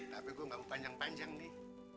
tapi gue gak mau panjang panjang nih